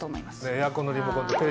エアコンとテレビのリモコン。